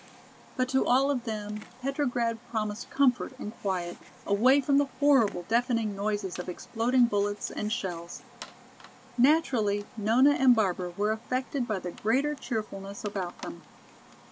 But to all of them Petrograd promised comfort and quiet, away from the horrible, deafening noises of exploding bullets and shells. Naturally Nona and Barbara were affected by the greater cheerfulness about them.